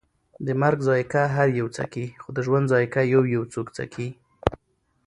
د مرګ ذائقه هر یو څکي، خو د ژوند ذائقه یویو څوک څکي